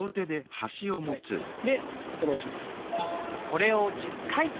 これを１０回。